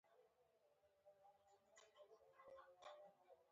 مچان د وجود پر تودو برخو کښېني